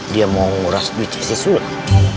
dia mau nguras duitnya si sulam